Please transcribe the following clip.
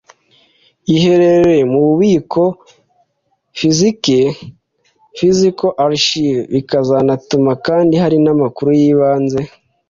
iherereye mu bubiko fizike physical archive bikazanatuma kandi hari amakuru y ibanze